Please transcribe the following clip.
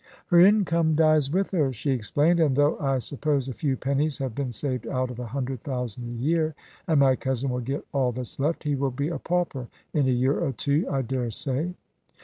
"Her income dies with her," she explained, "and though I suppose a few pennies have been saved out of a hundred thousand a year, and my cousin will get all that's left, he will be a pauper in a year or two, I daresay."